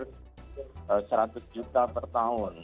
jadi kalau mereka punya seratus juta per tahun